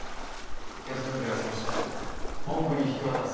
手続きが済みしだい本部に引き渡す。